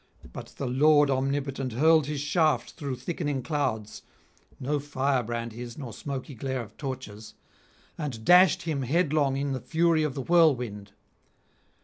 But the Lord omnipotent hurled his shaft through thickening clouds (no firebrand his nor smoky glare of torches) and dashed him headlong in the fury of the whirlwind.